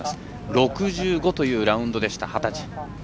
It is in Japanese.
６５というラウンドでした、幡地。